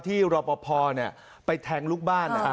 รอปภไปแทงลูกบ้าน